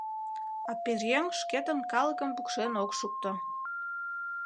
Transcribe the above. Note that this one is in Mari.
А пӧръеҥ шкетын калыкым пукшен ок шукто.